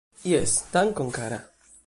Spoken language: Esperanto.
Jes, dankon kara